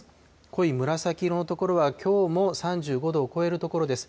濃い紫色の所はきょうも３５度を超える所です。